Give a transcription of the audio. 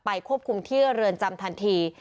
ไปรบี่ที่เรือนจำทันที